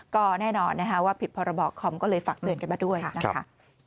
ก็แน่นอนนะคะว่าผิดพรบคอมก็เลยฝากเตือนกันมาด้วยนะคะ